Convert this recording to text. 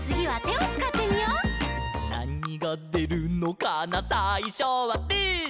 「なにがでるのかなさいしょはぶー」